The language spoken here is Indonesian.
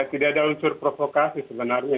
tidak ada unsur provokasi sebenarnya